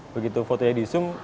begitu fotonya disoom